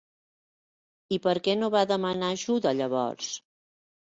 I per què no va demanar ajuda llavors?